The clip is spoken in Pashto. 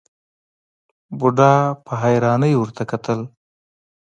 بوډا په حيرانۍ ورته وکتل.